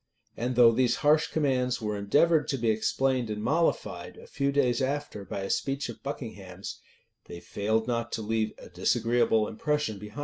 [] And though these harsh commands were endeavored to be explained and mollified, a few days after, by a speech of Buckingham's,[] they failed not to leave a disagreeable impression behind them.